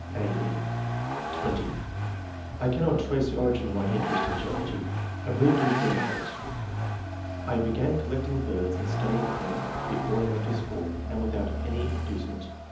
(a, e) (20) " I cannot trace the origin of my interest in geology. I believe it to have been innate. I began collecting birds and studying them be fore I went to school, and without any induce ment.